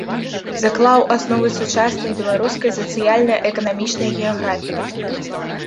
Заклаў асновы сучаснай беларускай сацыяльна-эканамічнай геаграфіі.